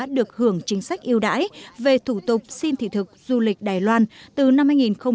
được hưởng chính sách yêu đãi về thủ tục xin thị thực du lịch đài loan từ năm hai nghìn một mươi